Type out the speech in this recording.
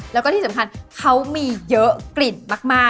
แล้วก็ที่สำคัญเขามีเยอะกลิ่นมาก